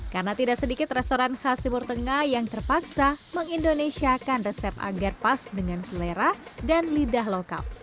karena tidak sedikit restoran khas timur tengah yang terpaksa mengindonesiakan resep agar pas dengan selera dan lidah lokal